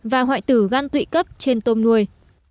và hoại tử gan tụy cấp trên tôm nuôi